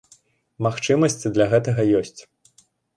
Магчымасці для гэтага ёсць.